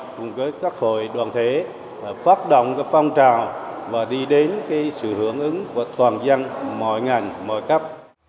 cùng với các hội đoàn thể phát động phong trào và đi đến sự hưởng ứng của toàn dân mọi ngành mọi cấp